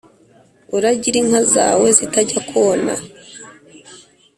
Uragire inka zawe zitajya kona